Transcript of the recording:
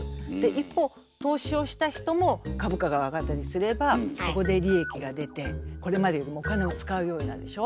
一方投資をした人も株価が上がったりすればそこで利益が出てこれまでよりもお金を使うようになるでしょ？